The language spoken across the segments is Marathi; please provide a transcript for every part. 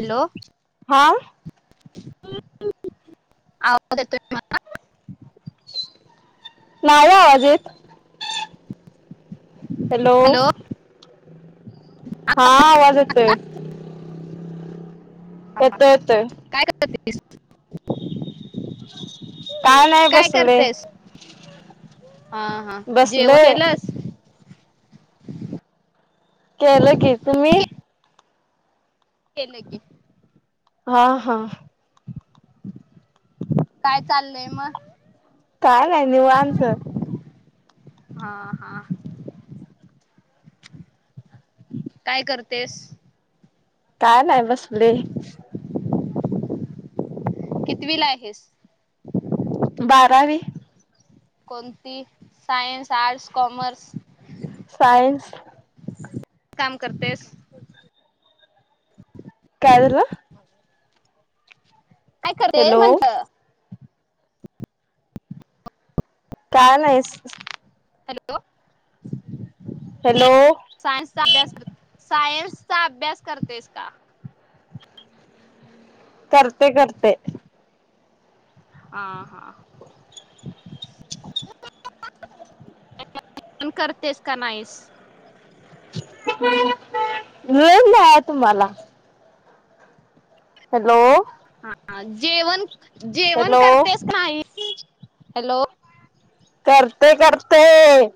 हॅलो. हा आवाज येतोय माझा. नाही आवाज येत. हॅलो. हा आवाज येतोय. येतोय, येतोय. काय करायलीस? [inaudible] काय नाही बसलेय. करतेस हा, हा. जेव बसलोय केलस. केलं की, तुम्ही. केलय की. हा, हा. काय, चाललंय मग? काय नाही, निवांत. हा, हा. काय करतेस? काय नाही बसलेय. कितवीला आहेस? बारावी. कोणती? Science, arts, commerce. सायन्स. काम करतेस? काय झालं? काय करतेस? हॅलो म्हंटलं. काय नाही. स हॅलो. हॅलो. सायनस चा अभ्यास. सायन्सचा अभ्यास करतेस का? करते, करते. हा, हा. [unintelligible] करतेस का नाहीस? वेळ [unintelligible] तुम्हाला. हॅलो हा जेवण जेवण हॅलो करतेस का नाही हॅलो करतय करतय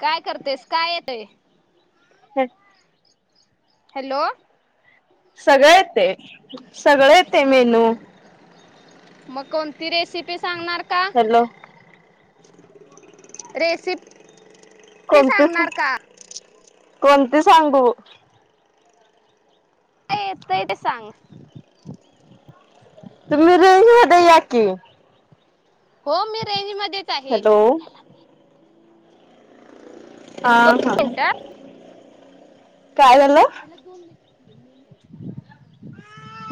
काय करतयस काय येतय ह हॅलो सगळ येतय सगळ येतय मेनू मग कोणती रेसिपी सांगणार का? हॅलो रेसि कोणती कोणती सांगू? काय येतेय ते सांग तुम्ही रेज मधे या की हो मी रेंज मधेच आहे. हॅलो हा हा मिनटं काय झालं त्याला दोन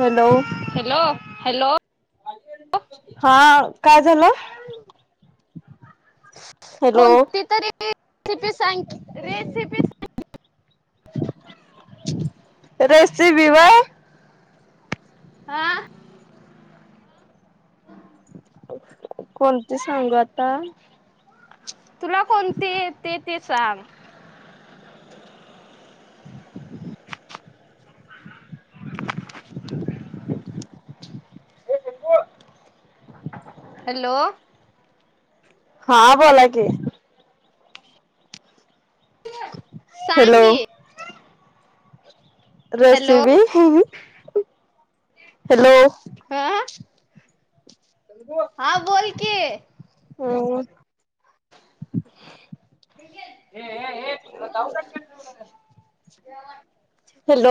हॅलो हॅलो हॅलो हा काय झालं? हॅलो कोणती तरी रेसिपी सांग कि रेसिपी रेसिपी वय हा [inaudible] कोणती सांगू आता तुला कोणती येती ती सांग [inaudible] हॅलो हा बोला की हॅलो सांगी रेसिपी हॅलो हह हा बोल कि हम्म ये ये तुला जाऊ दाऊ का शेत जेवान हॅलो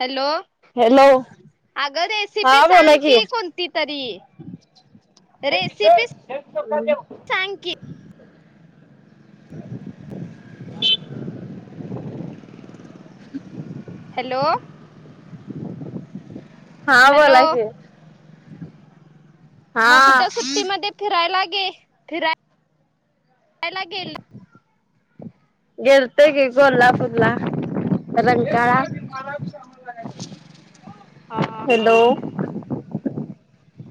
हॅलो हॅलो अगं हा रेसिपी बोला सांग की कोणती तरी [inaudible] रेसिपी सांग की [inaudible] हॅलो हा हॅलो बोला की हा मग कुठ सुट्टी मध्ये फिरायला गे फिराय फिरायला गेल गेलतो की कोल्हापूरला रंकाळा हा हा हॅलो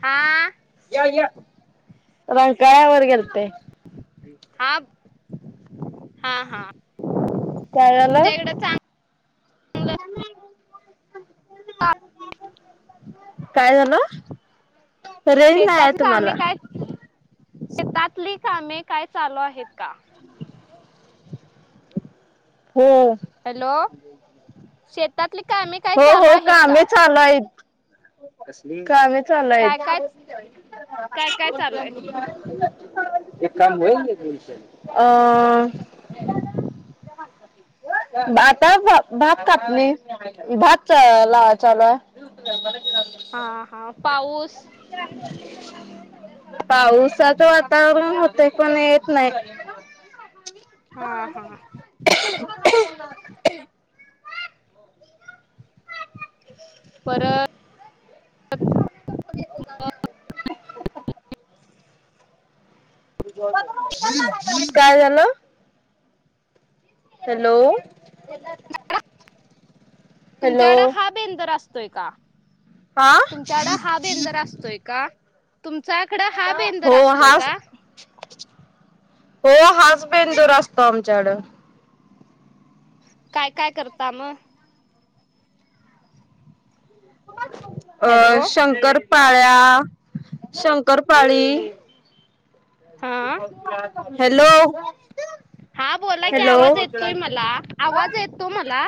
हा या या रंकाळ्यावर गेलते. हा, हा, हा काय झालं तुमच्या इकडे चांगलं काय झालं रेंज नाही आहे शेतातली कामे तुम्हाला काय शेतातली कामे काय चालू आहेत का [inaudible] हो हॅलो शेतातले कामे काय हो, हो चालू आहेत कामे का चालू आहेत कामे चालू आहेत काय काय काय काय चालू आहे [inaudible] अ आता भाप कापनी भात च लावाय चालूय हा, हा पाऊस पावसाचं वातावरण होतंय पण येत नाही हा, हा परत केत जाण्या काय झालं हॅलो हॅलो तुमच्याकड हा बेंदर असतोय का हा तुमच्याकड हा बेंदर असतोय का तुमच्याकडं हा बेंदर हो असतोय हाच का हो हाच बेंदूर असतो आमच्याड काय काय करता मग हॅलो अ शंकरपाळ्या शंकरपाळी हा हॅलो हा बोला की आवाज हॅलो येतो मला आवाज येतो मला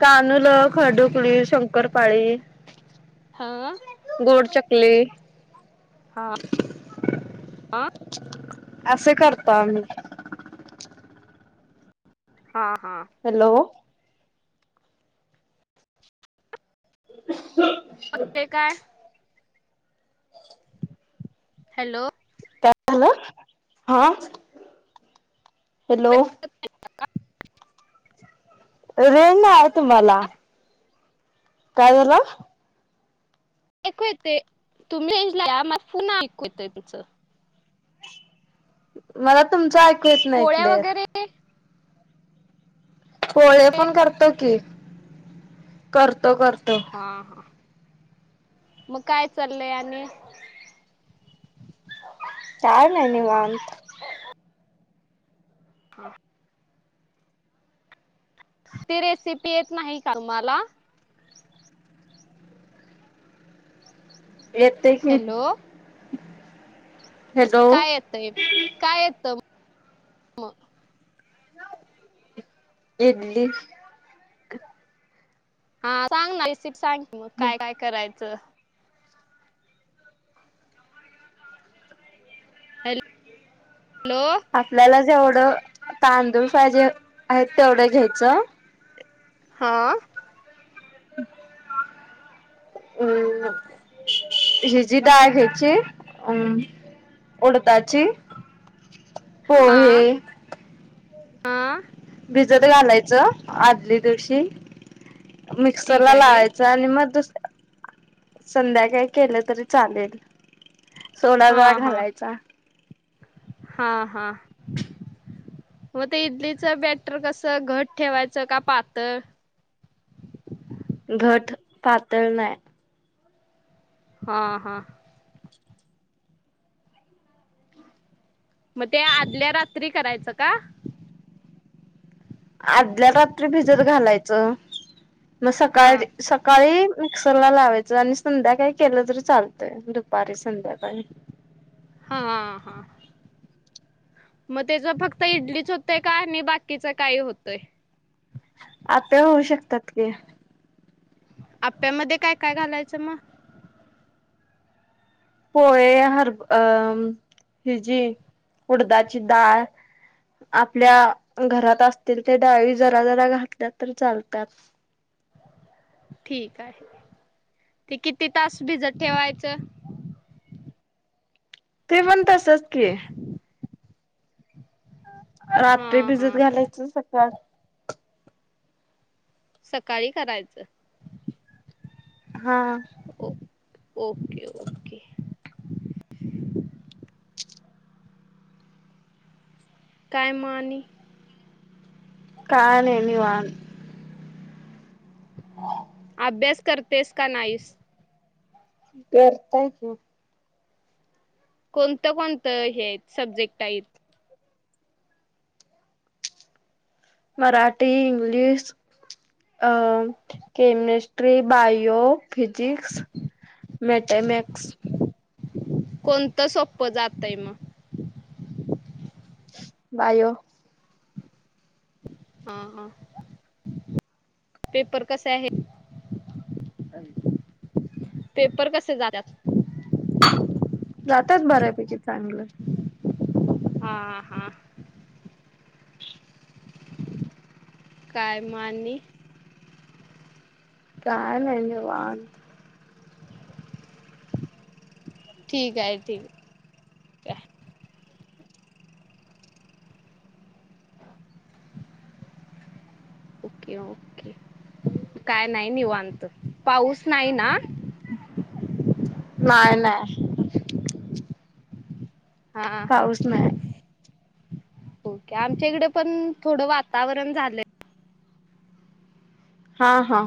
कानूलं खर्डूकली शंकरपाळी हां गोड चकली हा हा असे करतो आम्ही हा, हा हॅलो [inaudible] ते काय हॅलो काय म्हणाला हा हॅलो रेंज नाही आहे तुम्हाला काय झाल ऐकू येत ते तुम्ही म पुन्हा ऐकू येत तुमचं मला तुमचं ऐकू येत नाही पोळ्या क्लिअर वगैरे पोळे पण करतो की करतो, करतो हा, हा मग काय चाललंय आणि काय नाही निवांत हां ती रेसिपी येत नाही का तुम्हाला येतेे की हॅलो हॅलो काय येतंय काय येतं इडली. हा सांग ना रिसिपी सांग मग काय काय करायचं. Hello hello. आपल्याला जेवढं तांदूळ पाहिजे आहेत तेवढं घ्यायचं. हा. [unintelligible] हम्. हिची डाळ घ्यायची अम उडदाची हा पोहे. हा भिजत घालायचं आदली दिवशी मिक्सर ठीक ला आहे लावायच. आणि मग दुसऱ्या दिवशी संध्याकाळी केलं तरी चालेल. सोडा हा जरा हा घालायचा हा हा. मग ते इडलीच बॅटर कस घट ठेवायचं का पातळ. घट पातळ नाही. हा हा. मग ते आदल्या रात्री करायचं का? आदल्या रात्री भिजत घालायचं मग हा सकाळी सकाळी मिक्सरमध्ये ला लावायचं आणि संध्याकाळी केलं तरी चालतंय दुपारी संध्याकाळी हा हा हा. मग त्याच फक्त इडलीच होतय का आणि बाकीचं काही होतंय. आपल्या होऊ शकतात की आप्यामध्ये काय काय घालायचं मग पोळे हर अ हि जी उडदाची डाळ. आपल्या घरात असतील ते डाळी जरा जरा घातल्या तर चालतात. ठीक आहे ते किती तास भिजत ठेवायचं. तु म्हणतासच क रात हा भिजत हा घालायचं सकाळी सकाळी करायचं. हा. ओ ओके ओके. काय मग नी काय नाही निवांत अभ्यास करतेस का नाईस. करताय? कोणतं कोणतं हे सब्जेक्ट आहेत. मराठी इंग्लिश अ केमिस्ट्री ट्री बायो फिजिकिक्स मॅथॅमिक्स कोणतं सोप्पं जातय मग बायो. हा हा पेपर कसे आहे. पेपर कसे जातात. जातच बऱ्यापैकी चांगलं. हा हा. [unintelligible] काय मानी काय नाही निवांत. ठीक आहे ठीक. आहे ओके ओके काय नाही निवांत पाऊस नाही ना. नाही नाही. हा हा पाऊस नाही. आमच्या इकडे पण थोडं वातावरण झालं. हा हा.